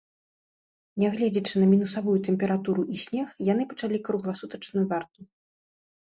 Нягледзячы на мінусавую тэмпературу і снег, яны пачалі кругласутачную варту.